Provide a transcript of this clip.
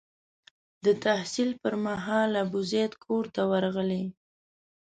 د تحصیل پر مهال ابوزید کور ته ورغلی.